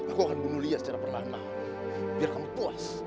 aku akan bunuh lia secara perlahan mahal biar kamu puas